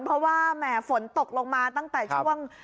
เพราะว่าแหมฝนตกลงมาตั้งแต่ช่วง